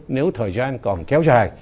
nếu thời gian còn kéo dài